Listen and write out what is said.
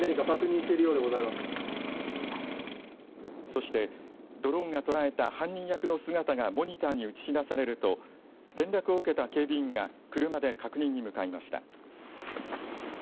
そして、ドローンが捉えた犯人役の姿がモニターに映し出されると連絡を受けた警備員が車で確認に向かいました。